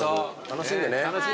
楽しんでね。